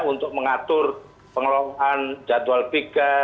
untuk mengatur pengelolaan jadwal pika